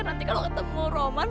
nanti kalau ketemu roman